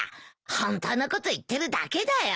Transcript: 本当のこと言ってるだけだよ。